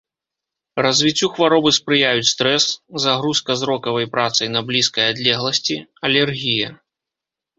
Развіццю хваробы спрыяюць стрэс, загрузка зрокавай працай на блізкай адлегласці, алергія.